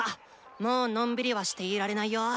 もうのんびりはしていられないよ！